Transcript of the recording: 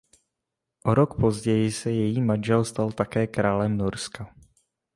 O rok později se její manžel stal také králem Norska.